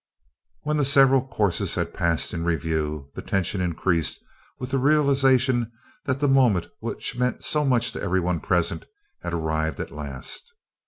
When the several courses had passed in review, the tension increased with the realization that the moment which meant so much to everyone present had arrived at last.